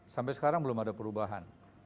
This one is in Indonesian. sampai sekarang belum ada perubahan